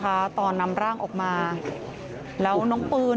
พอลูกเขยกลับเข้าบ้านไปพร้อมกับหลานได้ยินเสียงปืนเลยนะคะ